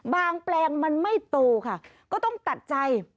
แปลงมันไม่โตค่ะก็ต้องตัดใจ